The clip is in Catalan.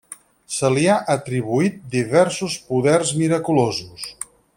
Se li han atribuït diversos poders miraculosos.